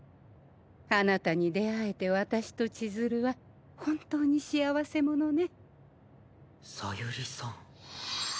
あなたに出会えて私とちづるは本当に幸せ者ね。